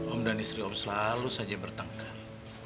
om dan istri om selalu saja bertengkar